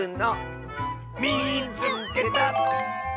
「みいつけた！」。